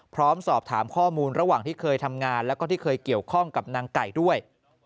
พร้อมสอบถามข้อมูลระหว่างที่เคยทำงานแล้วก็ที่เคยเกี่ยวข้องกับนางไก่ด้วย